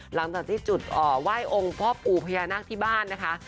หลังจากที่จุดไหว้องค์พ่อปู่พญานาคที่บ้านนะคะ